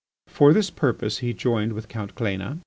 For this purpose he joined with Count Cléna, M.